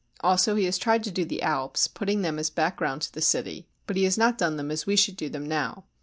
Also he has tried to do the Alps, putting them as background to the city, but he has not done them as we should do them now.